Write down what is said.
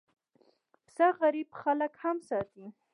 پسه غریب خلک هم ساتي.